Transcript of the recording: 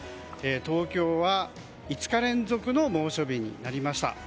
東京は５日連続の猛暑日になりました。